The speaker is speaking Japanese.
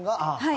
はい。